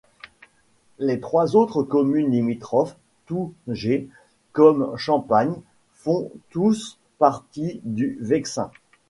Les trois autres communes limitrophes, touG comme Champagne, font tous partie du Vexin.